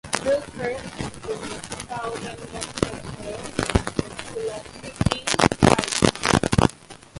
"Hillcrest" is the southern-most section of Pulaski Heights.